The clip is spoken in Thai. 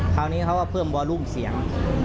คราวนี้เขาก็เพิ่มวอลุ่มเสียง